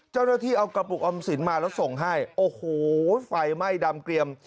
เจ้าหน้าที่เอากระปุกออมสินมาแล้วส่งให้โอ้โหไฟไหม้ดำเกลี่ยม